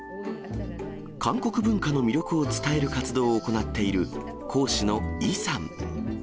韓国文化の魅力を伝える活動を行っている、講師のイさん。